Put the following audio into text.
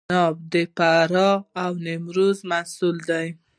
عناب د فراه او نیمروز محصول دی.